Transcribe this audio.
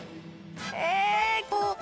えっこう。